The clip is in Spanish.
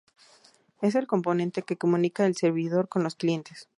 Es el componente que comunica al servidor con los clientes.